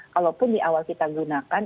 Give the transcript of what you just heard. kalaupun di awal kita gunakan